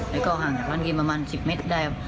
แล้วก็ห่างจากร้านเกมประมาณ๑๐เมตรได้